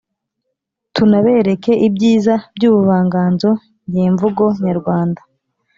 tunabereke ibyiza by’ubuvanganzo nyemvugo nyarwanda.”